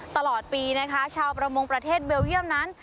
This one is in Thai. ตลอดปีนะคะชาวประมงประเทศเบลเยี่ยมนั้น